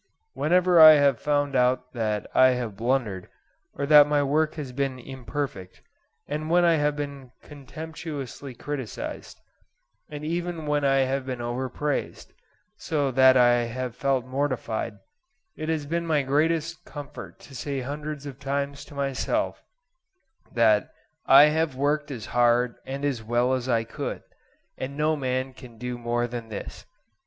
Whenever I have found out that I have blundered, or that my work has been imperfect, and when I have been contemptuously criticised, and even when I have been overpraised, so that I have felt mortified, it has been my greatest comfort to say hundreds of times to myself that "I have worked as hard and as well as I could, and no man can do more than this."